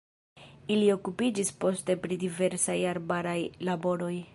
Ili okupiĝis poste pri diversaj arbaraj laboroj.